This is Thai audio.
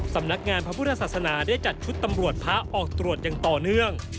สำนักงานพระพุทธศาสนาได้จัดชุดตำรวจพระออกตรวจอย่างต่อเนื่อง